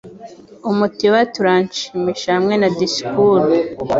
Umutiba ati Uranshimisha hamwe na disikuru